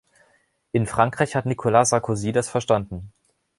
In Frankreich hat Nicolas Sarkozy das verstanden.